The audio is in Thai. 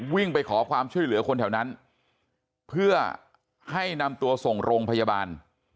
วิ่งไปขอความช่วยเหลือคนแถวนั้นเพื่อให้นำตัวส่งโรงพยาบาล